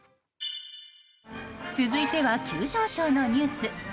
続いては急上昇のニュース。